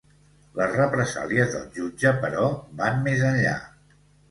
Les represàlies del jutge, però, van més enllà.